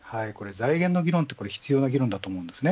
財源の議論って必要な議論だと思います。